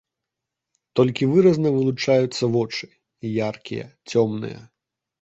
Толькі выразна вылучаюцца вочы, яркія, цёмныя.